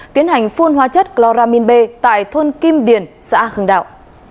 tiến hành phun hóa chất chloramin b tại thôn kim điền xã hưng đạo